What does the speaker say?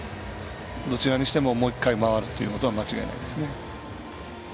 どちらにしてももう１回、回るということは間違いないですね。